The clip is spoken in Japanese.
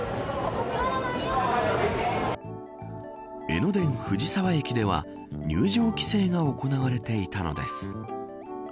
江ノ電、藤沢駅では入場規制が行われていたのです。